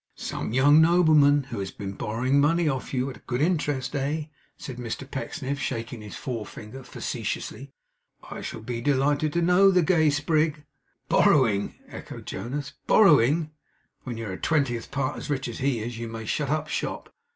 'Some young nobleman who has been borrowing money of you at good interest, eh?' said Mr Pecksniff, shaking his forefinger facetiously. 'I shall be delighted to know the gay sprig.' 'Borrowing!' echoed Jonas. 'Borrowing! When you're a twentieth part as rich as he is, you may shut up shop!